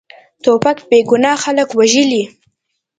توپک بېګناه خلک وژلي.